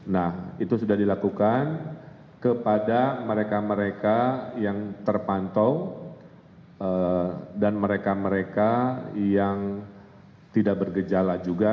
nah itu sudah dilakukan kepada mereka mereka yang terpantau dan mereka mereka yang tidak bergejala juga